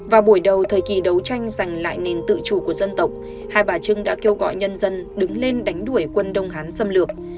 vào buổi đầu thời kỳ đấu tranh giành lại nền tự chủ của dân tộc hai bà trưng đã kêu gọi nhân dân đứng lên đánh đuổi quân đông hán xâm lược